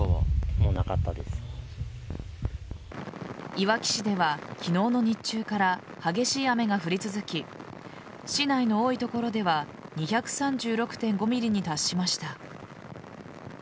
いわき市では、昨日の日中から激しい雨が降り続き市内の多い所では２３６．５ｍｍに達しました。